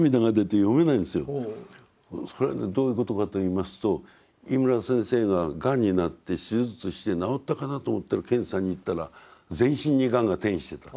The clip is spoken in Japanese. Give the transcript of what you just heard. それはねどういうことかと言いますと井村先生ががんになって手術して治ったかなと思って検査に行ったら全身にがんが転移してた。